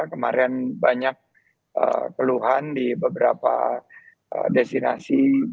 kemarin banyak keluhan di beberapa destinasi baik di destinasi unggulan di bali maupun di jawa barat